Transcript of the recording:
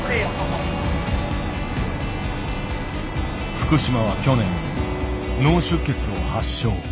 福島は去年脳出血を発症。